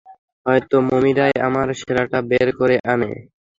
হয়তো মমিরাই আমার সেরাটা বের করে আনে!